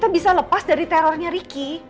bisa lepas dari terornya ricky